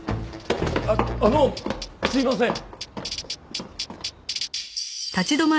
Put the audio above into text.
あっあのすみません。